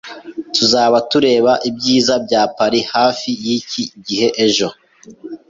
Tuzaba tureba ibyiza bya Paris hafi yiki gihe ejo.